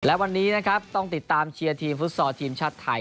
และวันนี้นะครับต้องติดตามเชียร์ทีมฟุตซอลทีมชาติไทย